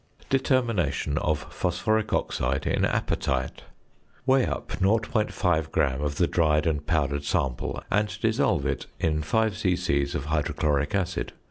~Determination of Phosphoric Oxide in Apatite.~ Weigh up 0.5 gram of the dried and powdered sample, and dissolve it in 5 c.c. of hydrochloric acid.